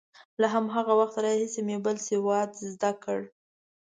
له هماغه وخته راهیسې مې بل سواد زده کړ.